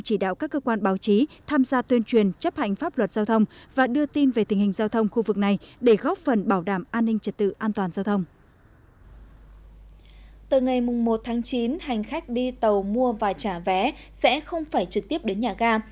từ ngày một tháng chín hành khách đi tàu mua và trả vé sẽ không phải trực tiếp đến nhà ga